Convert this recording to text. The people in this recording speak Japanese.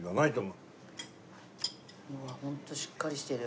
うわホントしっかりしてる。